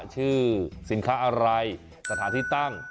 ชื่อสินค้าอะไรสถานที่ตั้ง